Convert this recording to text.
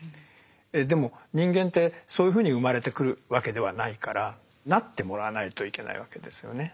でも人間ってそういうふうに生まれてくるわけではないからなってもらわないといけないわけですよね。